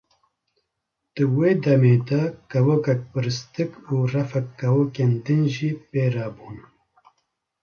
Di wê demê de kevokek biristik û refek kevokên din jî pê re bûn.